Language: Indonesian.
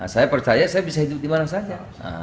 saya percaya saya bisa hidup dimana saja